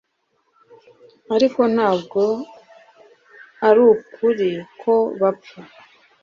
Ariko ntabwo arukuri ko bapfa